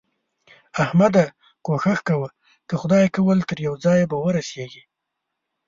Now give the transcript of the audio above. احمده! کوښښ کوه؛ که خدای کول تر يوه ځايه به ورسېږې.